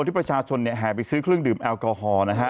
ที่ประชาชนแห่ไปซื้อเครื่องดื่มแอลกอฮอล์นะฮะ